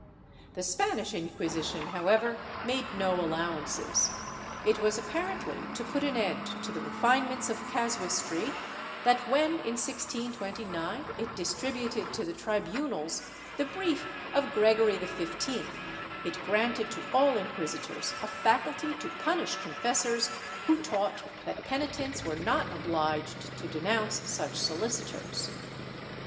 *^ The Spanish Inquisition, however, made no allowances. It was apparently to put an end to the refinements of casuistry that when, in 1629, it distributed to the tribunals the brief of Gregory XV, it granted to all inquisitors a faculty to punish confessors who taught that penitents were not obliged to denounce such solicitors."